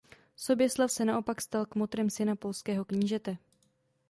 Soběslav se naopak stal kmotrem syna polského knížete.